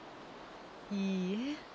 いいえ。